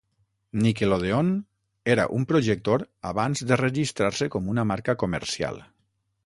"Nickelodeon" era un projector abans de registrar-se com una marca comercial.